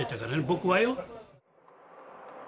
僕はよ。